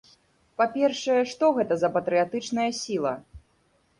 Па-першае, што гэта за патрыятычныя сіла?